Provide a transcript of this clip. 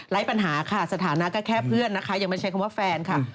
ปัญหาค่ะสถานะก็แค่เพื่อนนะคะยังไม่ใช้คำว่าแฟนค่ะ